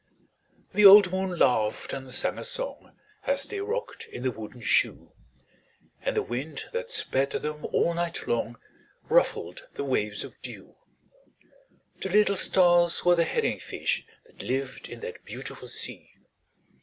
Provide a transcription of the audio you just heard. The old moon laughed and sang a song, As they rocked in the wooden shoe; And the wind that sped them all night long Ruffled the waves of dew; The little stars were the herring fish That lived in the beautiful sea.